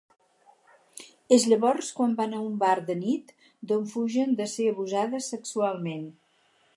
És llavors quan van a un bar de nit, d’on fugen de ser abusades sexualment.